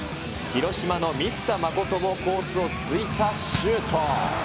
広島の満田誠もコースを突いたシュート。